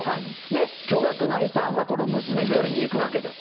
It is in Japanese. で、巨額な遺産は、この娘１人にいくわけです。